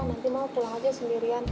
nanti mau pulang aja sendirian